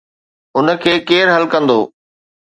ان کي ڪير حل ڪندو؟